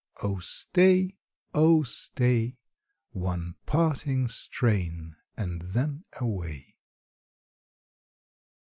Oh stay, oh stay, One parting strain, and then away.